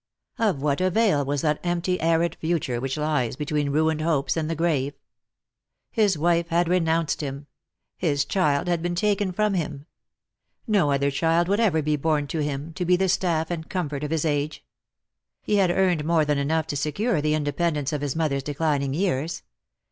Of what avail was that empty arid future which lies between ruined hopes and the grave ? His wife had renounced him. His child had been taken from him. No other child would ever be born to him, to be the staff and comfort of his age. He had earned more than enough to secure the independence of his mother's declining years.